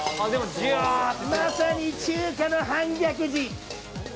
まさに中華の反逆児。